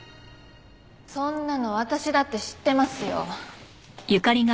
そんなの私だって知ってますよ。